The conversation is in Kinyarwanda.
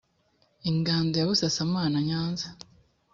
ingando ya busasamana nyanza